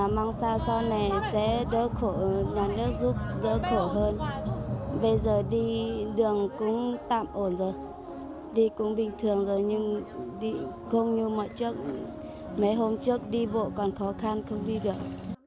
mấy hôm trước đi bộ còn khó khăn không đi được